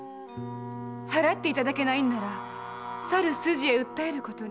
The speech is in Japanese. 払っていただけないんならさる筋へ訴えることに。